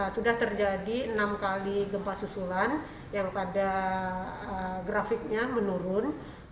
sudah terjadi enam kali gempa susulan yang pada grafiknya menurun